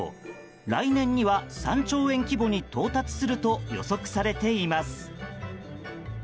来年には３兆円規模に到達すると予測されています。